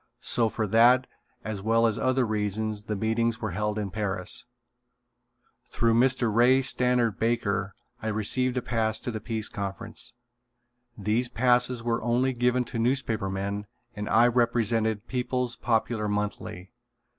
So for that as well as other reasons the meetings were held in Paris. Through Mr. Ray Stannard Baker I received a pass to the Peace Conference. These passes were only given to newspaper men and I represented People's Popular Monthly.